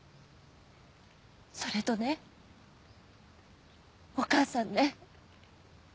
それとねお母さんね